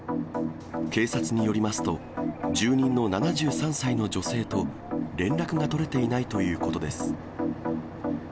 警察によりますと、住人の７３歳の女性と連絡が取れていないということです。